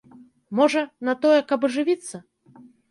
Можа, на тое, каб ажывіцца.